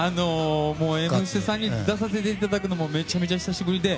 「Ｍステ」さんに出させていただくのもめちゃめちゃ久しぶりで。